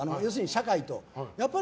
社会と。